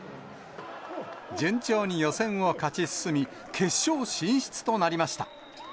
順調に予選を勝ち進み、決勝進出となりました。